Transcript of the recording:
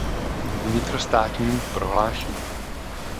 Vnitrostátní prohlášení.